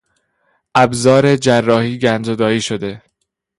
ابزار جراحی گندزدایی شده